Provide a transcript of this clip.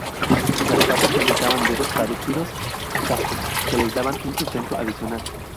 Las patas presentaban dedos parecidos a cascos, que les daban un sustento adicional.